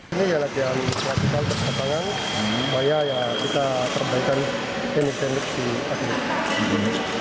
ini latihan latihan tersebut supaya kita terbaikkan teknik teknik di atlet